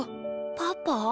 パパ？